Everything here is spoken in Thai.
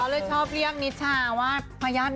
ก็เลยชอบเรียกนิชาว่าพยาบาลน้อย